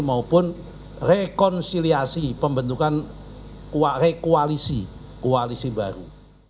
maupun rekonsiliasi pembentukan koalisi koalisi baru